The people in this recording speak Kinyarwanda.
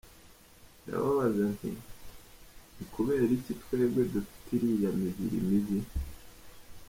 Ndababaza nti ni kubera iki twebwe dufite iriya mibiri mibi ?